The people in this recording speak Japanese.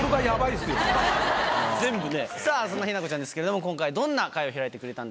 全部ねさぁそんな日奈子ちゃんですけれども今回どんな会を開いてくれたんでしょうか？